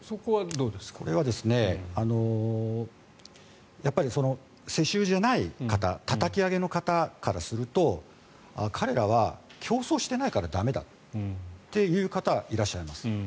これは世襲じゃない方たたき上げの方からすると彼らは競争してないから駄目だっていう方はいらっしゃいます。